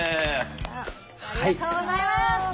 ありがとうございます！